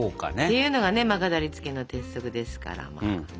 ていうのがね飾りつけの鉄則ですから。